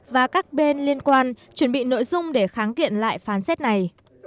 và các bên liên quan chuẩn bị nội dung để kháng kiện lại phán xét này